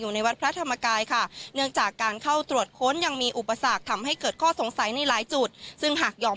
ในวัดพระธรรมกายค่ะเนื่องจากการเข้าตรวจค้นยังมีอุปสรรคทำให้เกิดข้อสงสัยในหลายจุดซึ่งหากยอม